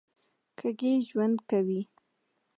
کښې ژؤند کوي